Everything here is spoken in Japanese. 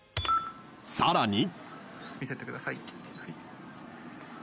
［さらに］